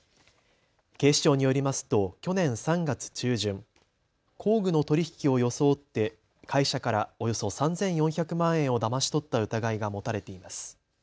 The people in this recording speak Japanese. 警視庁によりますと去年３月中旬、工具の取り引きを装って会社からおよそ３４００万円をだまし取った疑いが持たれています。